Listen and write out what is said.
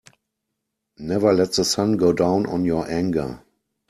Never let the sun go down on your anger.